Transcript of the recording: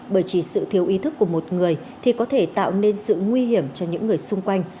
bởi chỉ sự thiếu ý thức của một người thì có thể tạo nên sự nguy hiểm cho những người xung quanh